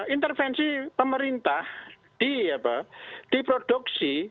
intervensi pemerintah di produksi